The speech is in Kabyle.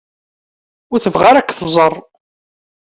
Ur tebɣa ara ad k-tẓer.